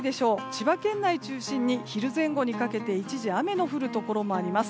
千葉県内中心に昼前後にかけて一時雨の降るところもあります。